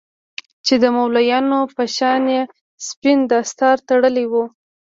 چې د مولويانو په شان يې سپين دستار تړلى و.